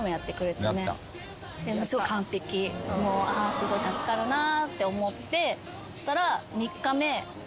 すごい助かるなって思ってたら。